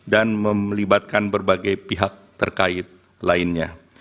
dan melibatkan berbagai pihak terkait lainnya